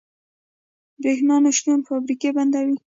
برښنا نشتون فابریکې بندوي.